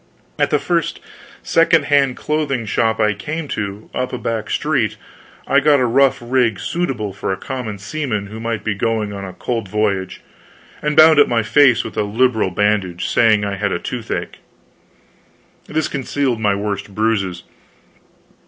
At the first second hand clothing shop I came to, up a back street, I got a rough rig suitable for a common seaman who might be going on a cold voyage, and bound up my face with a liberal bandage, saying I had a toothache. This concealed my worst bruises.